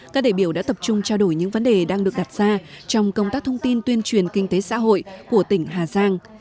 các đại biểu đã tập trung trao đổi những vấn đề đang được đặt ra trong công tác thông tin tuyên truyền kinh tế xã hội của tỉnh hà giang